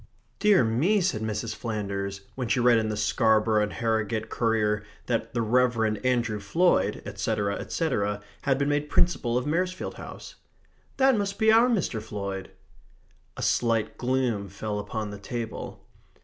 "Dear me," said Mrs. Flanders, when she read in the Scarborough and Harrogate Courier that the Rev. Andrew Floyd, etc., etc., had been made Principal of Maresfield House, "that must be our Mr. Floyd." A slight gloom fell upon the table.